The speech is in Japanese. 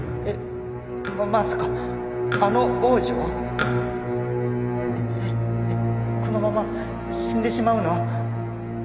えっこのまま死んでしまうの？